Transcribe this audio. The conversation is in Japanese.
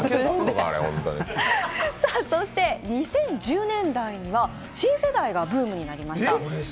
２０１０年代には新世代がブームになりました。